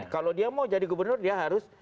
kalau dia mau jadi gubernur dia harus